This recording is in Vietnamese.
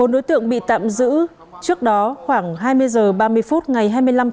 bốn đối tượng bị tạm giữ trước đó khoảng hai mươi h ba mươi phút ngày hai mươi năm